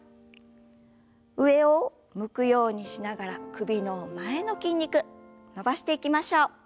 上を向くようにしながら首の前の筋肉伸ばしていきましょう。